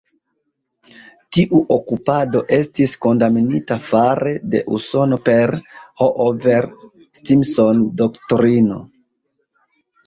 Tiu okupado estis kondamnita fare de Usono per Hoover-Stimson-Doktrino.